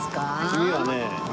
次はね